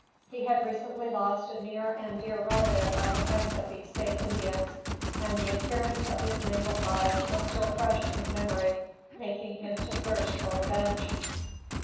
He had recently lost a near and dear relative by the hands of these same Indians, and the appearance of this mangled body was still fresh in his memory, making him to thirst for revenge.